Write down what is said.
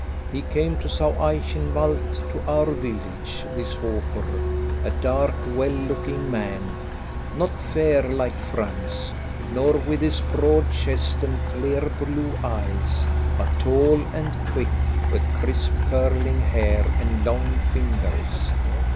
He came to Saueichenwald, to our village, this Hofer a dark well looking man not fair like Franz, nor with his broad chest and clear blue eyes but tall and quick, with crisp curling hair, and long fingers.